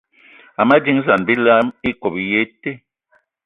Ama dínzan bilam íkob í yé í te